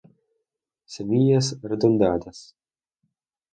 Semillas redondeadas.